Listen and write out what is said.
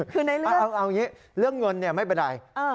คือเอาอย่างนี้เรื่องเงินเนี่ยไม่เป็นไร